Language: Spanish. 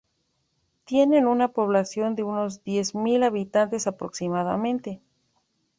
Tiene una población de unos diez mil habitantes aproximadamente.